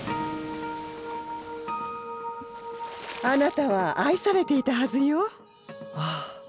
あなたは愛されていたはずよ。